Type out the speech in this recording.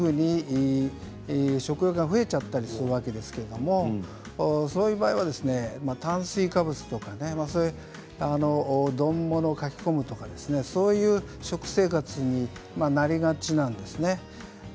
食欲が増えちゃったりするわけですけれどそういう場合は炭水化物とか丼物かき込むとかそういう食生活になりがちなんですね。